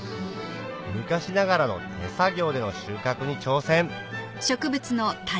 昔ながらの手作業での収穫に挑戦